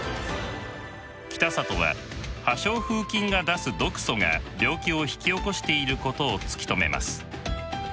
北里は破傷風菌が出す毒素が病気を引き起こしていることを突き止めます。